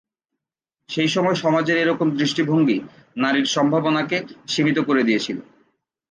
সেইসময় সমাজের এরকম দৃষ্টিভঙ্গি নারীর সম্ভাবনাকে সীমিত করে দিয়েছিল।